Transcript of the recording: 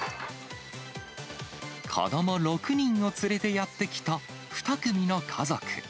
子ども６人を連れてやって来た２組の家族。